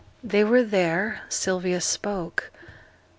They were there. Sylvia spoke.